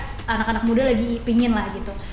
kita kira anak anak muda lagi pingin lah gitu